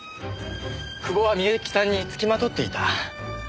久保は深雪さんにつきまとっていた。